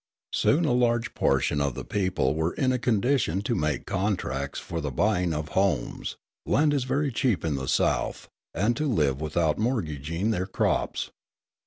Soon a large proportion of the people were in a condition to make contracts for the buying of homes (land is very cheap in the South) and to live without mortgaging their crops.